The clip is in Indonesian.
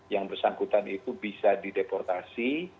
yang bersangkutan itu bisa dideportasi